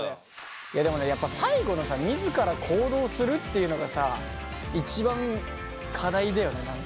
でもねやっぱ最後のさ自ら行動するっていうのがさ一番課題だよね何か。